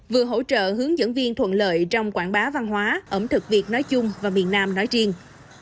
vừa hỗ trợ hướng dẫn viên thuận lợi trong quảng bá văn hóa ẩm thực việt nói chung và miền nam nói riêng